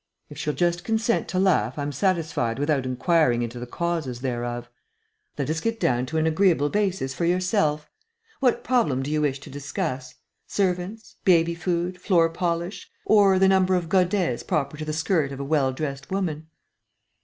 If she'll just consent to laugh, I'm satisfied without inquiring into the causes thereof. Let us get down to an agreeable basis for yourself. What problem do you wish to discuss? Servants, baby food, floor polish, or the number of godets proper to the skirt of a well dressed woman?"